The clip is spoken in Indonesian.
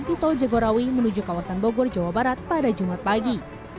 di tol jagorawi menuju kawasan bogor jawa barat pada jumat pagi